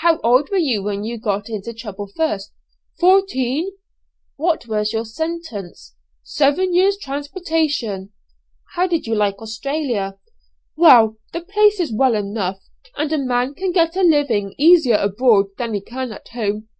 "How old were you when you got into trouble first?" "Fourteen." "What was your first sentence?" "Seven years' transportation." "How did you like Australia?" "Well, the place is well enough, and a man can get a living easier abroad than he can at home.